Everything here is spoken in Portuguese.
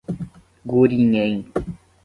Gurinhém